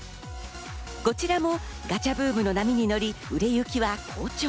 こちらもガチャブームの波に乗り、売れ行きは好調。